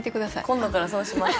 今度からそうします。